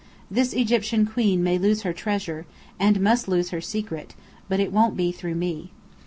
This Egyptian queen may lose her treasure, and must lose her secret; but it won't be through me."